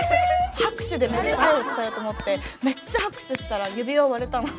拍手でめっちゃ愛を伝えようと思ってめっちゃ拍手したら指輪割れたの。